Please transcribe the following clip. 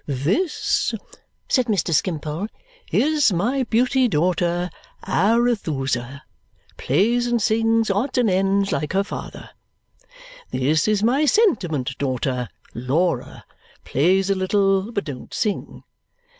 "This," said Mr. Skimpole, "is my Beauty daughter, Arethusa plays and sings odds and ends like her father. This is my Sentiment daughter, Laura plays a little but don't sing.